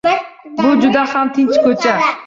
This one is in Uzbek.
Bu juda ham tinch ko'cha.